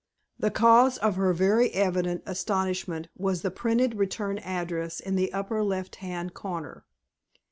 The cause of her very evident astonishment was the printed return address in the upper left hand corner.